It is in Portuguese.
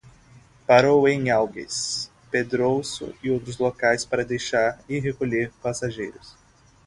Parou em Algés, Pedrouços e outros locais para deixar e recolher passageiros.